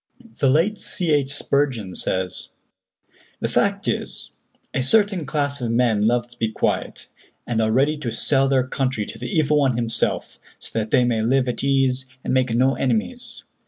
The late C. H. Spurgeon says: "The fact is, a certain class of men love to be quiet, and are ready to sell their country to the evil one himself, so that they may live at ease and make no enemies.